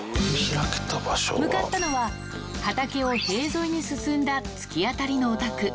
向かったのは、畑を塀沿いに進んだ突き当たりのお宅。